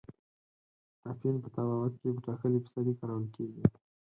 اپین په طبابت کې په ټاکلې فیصدۍ کارول کیږي.